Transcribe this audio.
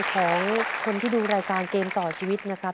ของคนที่ดูรายการเกมต่อชีวิตนะครับ